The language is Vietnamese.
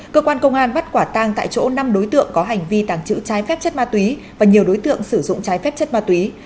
cơ quan công an bắt quả tang tại chỗ năm đối tượng có hành vi tàng trữ trái phép chất ma túy và nhiều đối tượng sử dụng trái phép chất ma túy